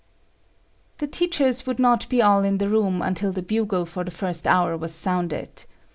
The teachers would not be all in the room until the bugle for the first hour was sounded.